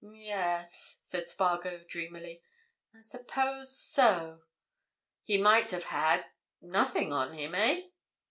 "Yes," said Spargo, dreamily. "I suppose so. He might have had—nothing on him, eh?"